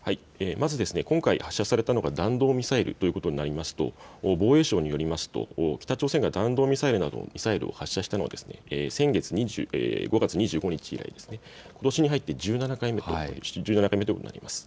まず今回発射されたのが弾道ミサイルということになりますと防衛省によりますと北朝鮮が弾道ミサイルなどのミサイルを発射したのは先月の５月２５日以来でことしに入って７回目ということになります。